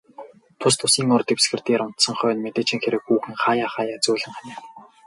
Тус тусын ор дэвсгэр дээр унтсан хойно, мэдээжийн хэрэг хүүхэн хааяа хааяа зөөлөн ханиана.